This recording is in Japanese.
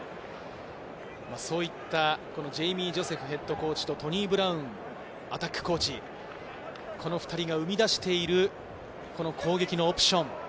そういったジェイミー・ジョセフヘッドコーチとトニー・ブラウンアタックコーチ、この２人が生み出している攻撃のオプション。